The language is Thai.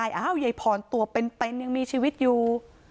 เยยพรตัวเป็นเป็นยังมีชีวิตอยู่